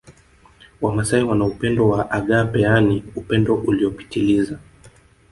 Wamasai wana upendo wa agape yaani upendo uliopitiliza